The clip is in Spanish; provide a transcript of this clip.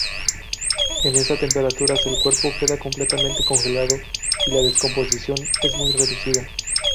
En estas temperaturas el cuerpo queda completamente congelado y la descomposición es muy reducida.